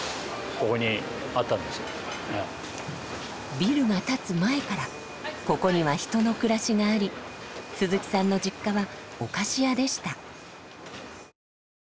ビルが建つ前からここには人の暮らしがあり鈴木さんの実家はお菓子屋でした。